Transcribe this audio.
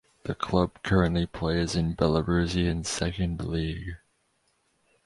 The club currently plays in Belarusian Second League.